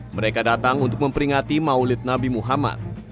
mereka datang untuk memperingati maulid nabi muhammad